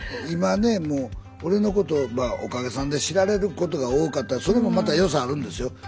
今ねもう俺のことまあおかげさんで知られることが多かったそれもまた良さあるんですよ。